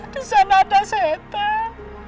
di sana ada cetan